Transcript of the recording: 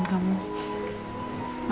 kamu udah kebangun